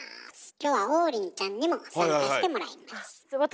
今日は王林ちゃんにも参加してもらいます。